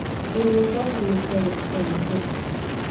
They were resolved they would try the experiment presently.